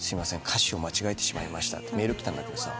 歌詞を間違えてしまいましたってメール来たんだけどさ